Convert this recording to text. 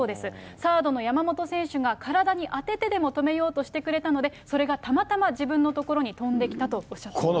サードの山本選手が体に当てでも止めようとしてくれたので、それがたまたま自分の所に飛んできたとおっしゃっています。